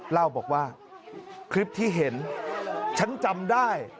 แล้วบอกว่าคลิปที่เห็นผมจำได้